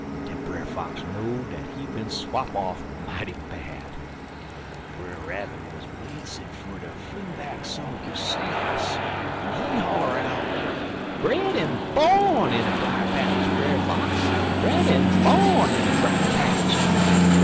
Den Brer Fox know dat he bin swop off mighty bad. Brer Rabbit wuz bleedzed fer ter fling back some er his sass, en he holler out: "'Bred en bawn in a brier patch, Brer Fox bred en bawn in a brier patch!'